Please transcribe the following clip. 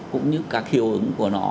cũng như các hiệu ứng của nó